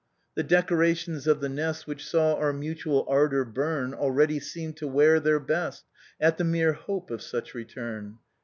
" The decorations of the nest Which saw our mutual ardor buen Already seem to wear their best At the mere hope of such return.